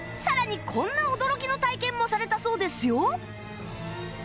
さらにこんな驚きの体験もされたそうですよ